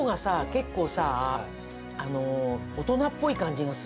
結構さ大人っぽい感じがするね。